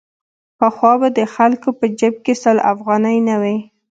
پخوا به د خلکو په جېب کې سل افغانۍ نه وې.